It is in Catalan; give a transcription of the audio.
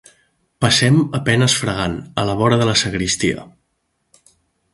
Passem a penes fregant, a la vora de la sagristia.